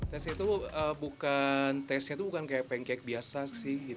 tampilan dari pancakenya itu bukan seperti pancake biasa sih